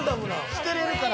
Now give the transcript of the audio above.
「捨てれるから」